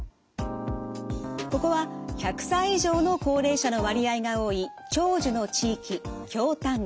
ここは１００歳以上の高齢者の割合が多い長寿の地域京丹後。